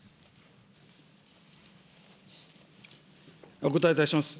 お答えいたします。